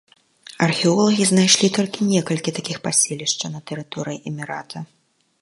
Археолагі знайшлі толькі некалькі такіх паселішчаў на тэрыторыі эмірата.